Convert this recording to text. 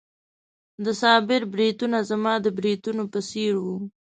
د صابر بریتونه زما د بریتونو په څېر وو.